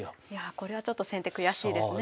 これはちょっと先手悔しいですね。